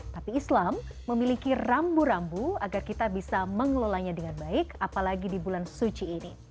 tapi islam memiliki rambu rambu agar kita bisa mengelolanya dengan baik apalagi di bulan suci ini